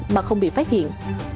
mà không bị phát hiện